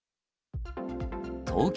東京